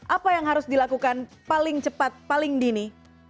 apa yang harus dilakukan paling cepat paling dini